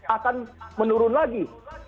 akan menurun lagi